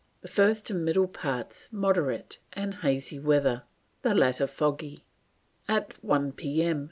The first and middle parts moderate and hazy Weather, the Later foggy. At 1 P.M.